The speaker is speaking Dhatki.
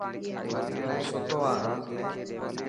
هون ستوهان.